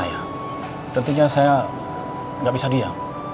ualalhrkzat campur sama dia